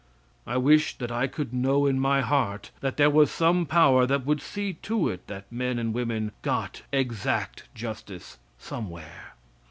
I wish that I could know in my heart that there was some power that would see to it that men and women got exact justice somewhere.